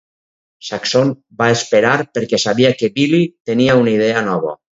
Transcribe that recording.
Saxon va esperar, perquè sabia que Billy tenia una idea nova.